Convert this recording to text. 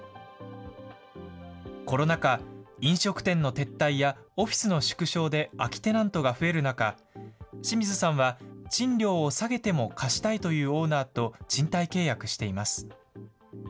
コロナ禍、飲食店の撤退やオフィスの縮小で、空きテナントが増える中、清水さんは賃料を下げても貸したいというオーナーと、賃貸契約しています。